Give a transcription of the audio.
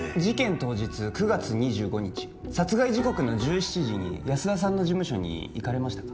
当日９月２５日殺害時刻の１７時に安田さんの事務所に行かれましたか？